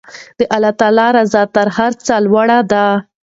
د الله رضا تر هر څه لوړه ده.